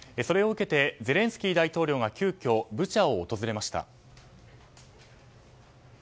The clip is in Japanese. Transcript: それを受けてゼレンスキー大統領が急きょブチャを訪れました。